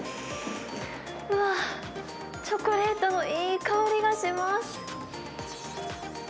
うわー、チョコレートのいい香りがします。